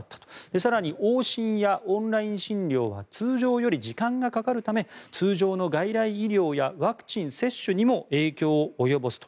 更に往診やオンライン診療は通常より時間がかかるため通常の外来医療やワクチン接種にも影響を及ぼすと。